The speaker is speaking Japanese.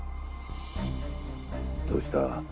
どうした？